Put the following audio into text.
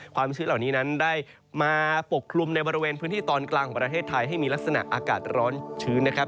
ชื้นเหล่านี้นั้นได้มาปกคลุมในบริเวณพื้นที่ตอนกลางของประเทศไทยให้มีลักษณะอากาศร้อนชื้นนะครับ